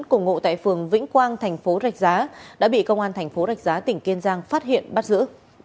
cùng ngụ tại phường vĩnh quang thành phố rạch giá đã bị công an thành phố rạch giá tỉnh kiên giang phát hiện bắt giữ